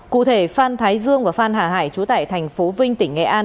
cụ thể phan thái dương và phan hà hải trú tại thành phố vinh tỉnh nghệ an